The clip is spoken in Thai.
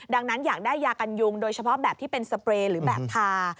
ดังนั้นอยากได้ยากันยุงโดยเฉพาะแบบที่เป็นสเปรย์หรือแบบทา